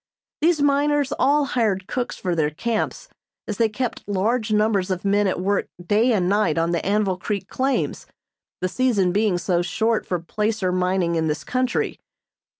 These miners all hired cooks for their camps, as they kept large numbers of men at work day and night on the Anvil Creek claims, the season being so short for placer mining in this country.